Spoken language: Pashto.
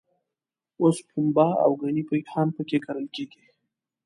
اوس پنبه او ګني هم په کې کرل کېږي.